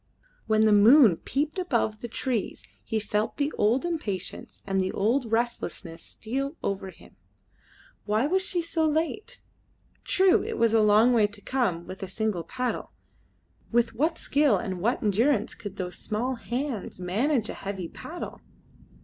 When the moon peeped above the trees he felt the old impatience and the old restlessness steal over him. Why was she so late? True, it was a long way to come with a single paddle. With what skill and what endurance could those small hands manage a heavy paddle!